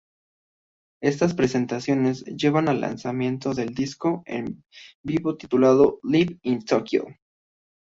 Estas presentaciones llevaron al lanzamiento de un disco en vivo titulado "Live In Tokyo".